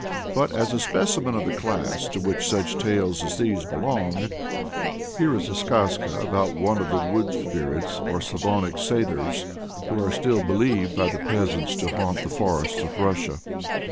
But, as a specimen of the class to which such tales as these belong, here is a skazka about one of the wood sprites or Slavonic Satyrs, who are still believed by the peasants to haunt the forests of Russia.